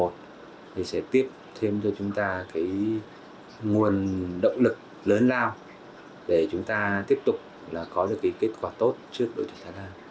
thì sẽ tiếp thêm cho chúng ta cái nguồn động lực lớn lao để chúng ta tiếp tục có được cái kết quả tốt trước đội tuyển thái lan